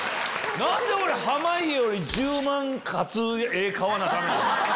何で俺濱家より１０万勝つ絵買わなダメ？